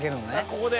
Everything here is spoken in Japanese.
ここで？